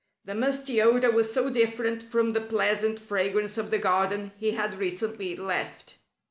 The musty odor was so different from the pleasant fragrance of the garden he had recently left.